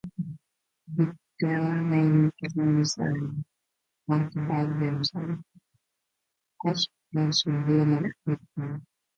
There are many cairns and other evidence of ancient human activity.